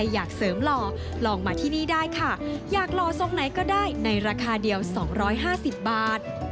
อยากหล่อทรงไหนก็ได้ในราคาเดียว๒๕๐บาท